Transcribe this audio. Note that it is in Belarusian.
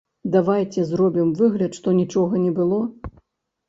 Давайце зробім выгляд, што нічога не было?